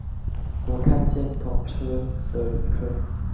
我看見同車的旅客